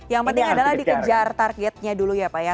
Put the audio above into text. yang penting adalah dikejar targetnya dulu ya pak ya